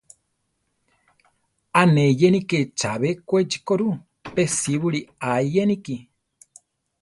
‘A ne iyéniki chabé Kwéchi ko rʼu; pe síbuli aa iyéniki.